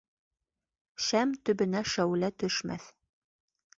Шәм төбөнә шәүлә төшмәҫ.